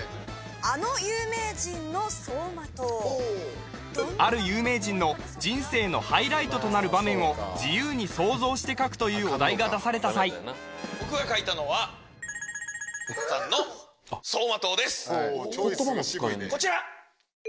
あの有名人の走馬灯ほおある有名人の人生のハイライトとなる場面を自由に想像して描くというお題が出された際僕が描いたのはこちら！